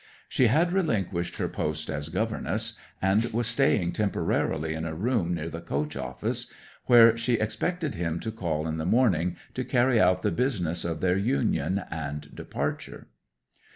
She had relinquished her post as governess, and was staying temporarily in a room near the coach office, where she expected him to call in the morning to carry out the business of their union and departure.